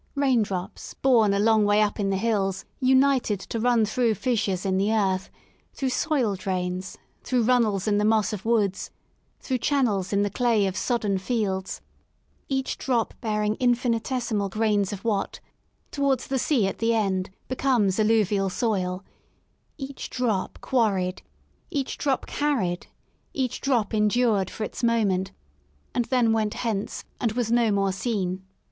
Rain drops, born a long way up in the hills, united to run through fissures in the earth, through soil drains, through runnels in the moss of woods, through chan nels in the clay of sodden fields, each drop bearing infinitesimal grains of what, towards the sea at the end, becomes alluvial soil — each drop quarried, each drop carried, each drop endured for its moment, and then went hence and was no more seen.